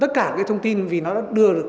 tất cả cái thông tin vì nó đã đưa được